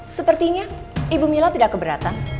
sepertinya ibu mila tidak keberatan